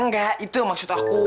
enggak itu maksud aku